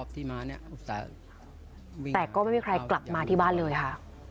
แต่ก็ไม่มีใครกลับมาที่บ้านเลยค่ะ